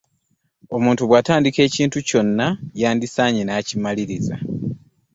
Omuntu bw'atandika ekintu kyonna yandissaanye n'akimaliriza.